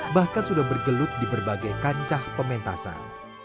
bahkan sudah bergelut di berbagai kancah pementasan